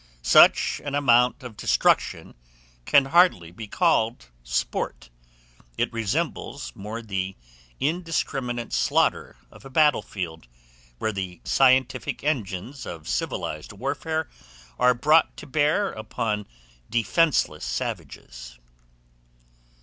Such an amount of destruction can hardly be called sport; it resembles more the indiscriminate slaughter of a battle field, where the scientific engines of civilized warfare are brought to bear upon defenceless savages.